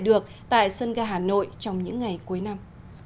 được tại sơn gà hà nội trong những ngày cuối năm